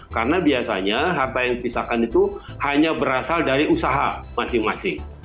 karena biasanya harta yang dipisahkan itu hanya berasal dari usaha masing masing